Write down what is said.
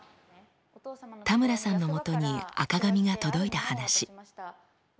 田村さんのもとに赤紙が届いた話。